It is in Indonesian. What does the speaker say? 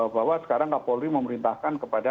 bahwa sekarang kapolri memerintahkan kepada